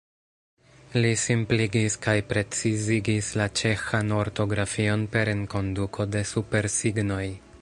Li simpligis kaj precizigis la ĉeĥan ortografion per enkonduko de supersignoj.